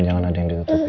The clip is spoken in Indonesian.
jangan ada yang ditutupin